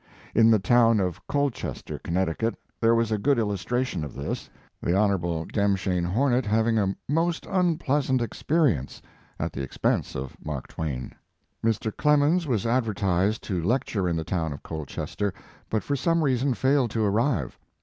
In the town of Colchester, Connecticut, there was a good illustration of this, the Hon. Demshain Hornet having a most unpleasant experience at the ex pense of Mark Twain. Mr. Clemens was advertised to lecture in the town of Colchester, but for some reason failed to arrive.